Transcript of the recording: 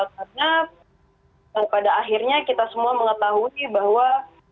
karena pada akhirnya kita semua mengetahui bahwa